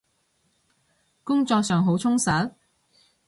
工作上好充實？